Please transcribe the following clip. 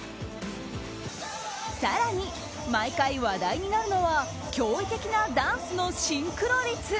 更に、毎回話題になるのは驚異的なダンスのシンクロ率。